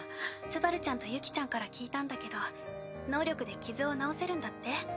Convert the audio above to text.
昴ちゃんとユキちゃんから聞いたんだけど能力で傷を治せるんだって？